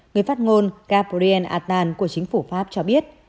người phát ngôn gaboriel attan của chính phủ pháp cho biết